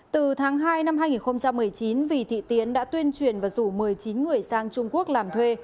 từ tháng hai năm hai nghìn một mươi chín vì thị tiến đã tuyên truyền và rủ một mươi chín người sang trung quốc làm thuê